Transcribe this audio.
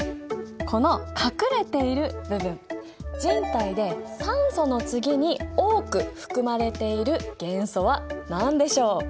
この隠れている部分人体で酸素の次に多く含まれている元素は何でしょう？